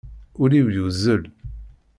Uli-w yuzzel.